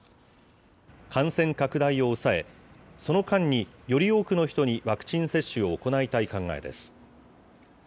感染拡大を抑え、その間に、より多くの人にワクチン接種を行いたい考えです。